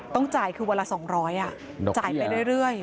ต้องจ่ายคือเวลา๒๐๐บาทจ่ายไปเรื่อย